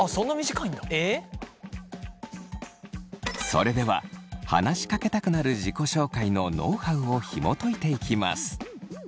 それでは話しかけたくなる自己紹介のノウハウをひもといていきます。